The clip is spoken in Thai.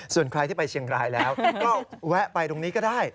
ส่วนใครที่ไปเชียงรายแล้วก็แวะไปตรงนี้ก็ได้